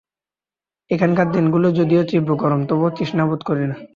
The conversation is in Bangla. এখানকার দিনগুলি যদিও তীব্র গরম, তবু তৃষ্ণা বোধ করি না।